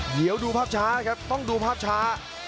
เดี๋ยวดูภาพช้าครับต้องดูภาพช้า